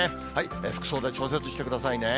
服装で調節してくださいね。